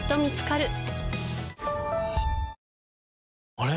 あれ？